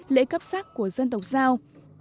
lễ cấp sát của dân tộc giao